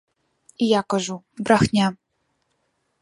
І я кажу, брахня.